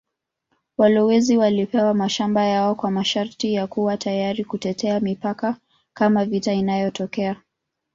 Walowezi walipewa mashamba yao kwa masharti ya kuwa tayari kutetea mipaka kama vita inatokea.